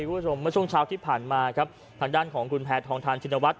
สวัสดีคุณผู้ชมในช่วงเช้าที่ผ่านมาครับทางด้านของคุณแพทย์ธองทางจิตนวัชฎ์